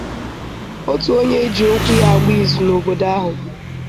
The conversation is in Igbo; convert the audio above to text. otu onye e ji okwu ya agba ìzù n'obodo ahụ